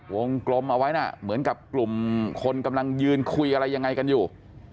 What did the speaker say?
วงกลมเอาไว้นะเหมือนกับกลุ่มคนกำลังยืนคุยอะไรยังไงกันอยู่